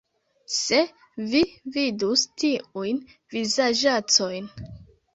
Se Vi vidus tiujn vizaĝaĉojn!